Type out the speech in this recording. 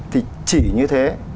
thì chỉ như thế